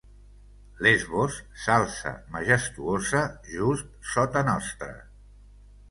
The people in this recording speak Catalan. Lesbos s'alça majestuosa just sota nostre.